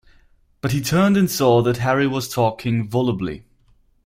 But he turned and saw that Harry was talking volubly.